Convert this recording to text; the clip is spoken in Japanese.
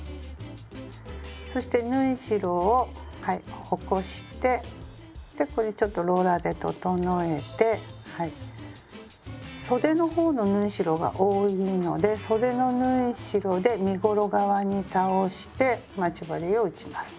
そして縫い代を起こしてでこれちょっとローラーで整えてそでの方の縫い代が多いのでそでの縫い代で身ごろ側に倒して待ち針を打ちます。